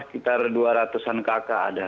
nggak salah sekitar dua ratus an kakak ada